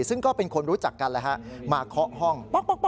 ซึ่งก็เป็นคนรู้จักกันมาเคาะห้อง